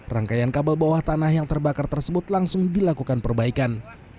rangkaian kabel bawah tanah yang terbakar tersebut langsung dilakukan perbaikan